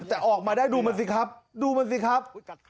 แต่ออกมาได้ดูมันสิครับดูมันสิครับ